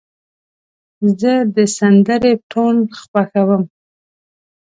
زه د سندرې ټون خوښوم.